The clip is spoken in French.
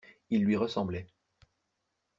Il lui ressemblait.